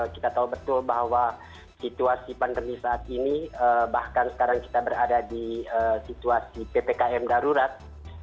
kita tahu betul bahwa situasi pandemi saat ini bahkan sekarang kita berada di situasi ppkm darurat